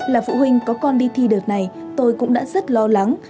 là phụ huynh có con đi thi đợt này tôi cũng đã rất lo lắng